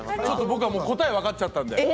僕、答えわかっちゃったんで。